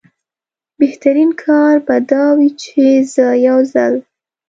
بهترین کار به دا وي چې زه یو ځل.